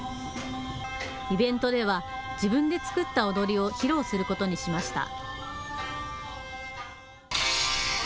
イベントでは自分で作った踊りを披露することにしました。